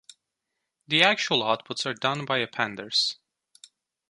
The actual outputs are done by Appenders.